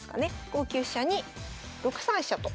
５九飛車に６三飛車と。